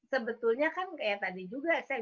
sebetulnya kan kayak tadi juga saya